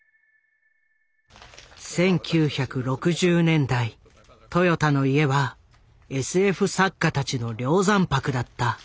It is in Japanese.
１９６０年代豊田の家はＳＦ作家たちの梁山泊だった。